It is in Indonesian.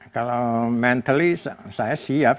kalau mental saya siap